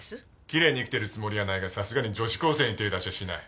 きれいに生きてるつもりはないがさすがに女子高生に手ぇ出しゃしない。